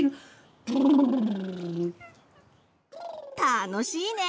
楽しいね！